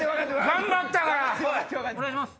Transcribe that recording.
頑張ったから。